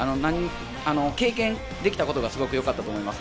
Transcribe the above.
経験できたことがすごくよかったと思います。